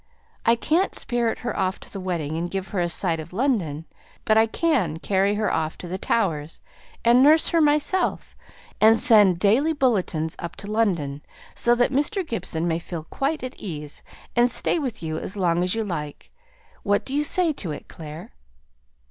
I can't spirit her to the wedding and give her a sight of London; but I can carry her off to the Towers, and nurse her myself; and send daily bulletins up to London, so that Mr. Gibson may feel quite at ease, and stay with you as long as you like. What do you say to it, Clare?"